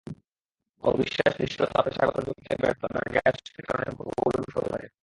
অবিশ্বাস, নিষ্ঠুরতা, পেশাগত জগতে ব্যর্থতা, ড্রাগে আসক্তির কারণে সম্পর্কগুলো নষ্ট হতে থাকে।